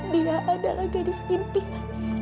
dia adalah gadis impiannya